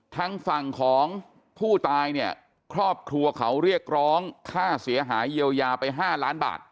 ทางฝั่งของผู้ตายเนี่ยครอบครัวเขาเรียกร้องค่าเสียหายเยียวยาไป๕ล้านบาท